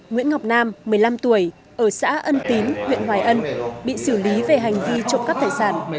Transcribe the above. nguyễn ngọc nam một mươi năm tuổi ở xã ân tín huyện hoài ân bị xử lý về hành vi trộm cắp tài sản